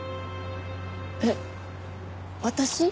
えっ私？